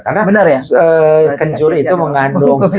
karena kencur itu mengandung